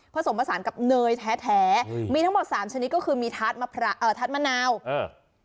ผสมผสานกับเนยแท้แท้อืมมีทั้งหมดสามชนิดก็คือมีทัดมะพร้าเอ่อทัดมะนาวเออ